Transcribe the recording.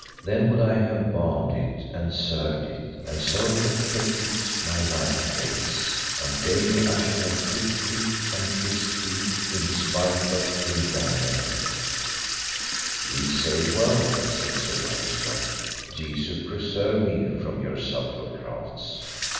Then would I have balmed it and served it, and so have kept it my life days, and daily I should have clipped thee, and kissed thee, in despite of Queen Guenever. Ye say well, said Sir Launcelot, Jesu preserve me from your subtle crafts.